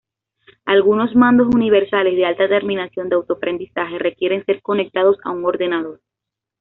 Algunos mandos universales de alta terminación de autoaprendizaje requieren ser conectados a un ordenador.